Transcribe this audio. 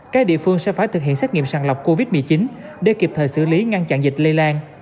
các địa phương sẽ phải thực hiện xét nghiệm sàng lọc covid một mươi chín để kịp thời xử lý ngăn chặn dịch lây lan